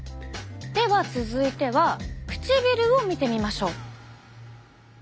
では続いては唇を見てみましょう。